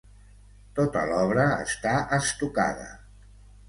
Tota l'obra està estucada.